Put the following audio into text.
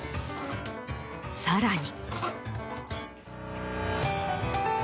さらに。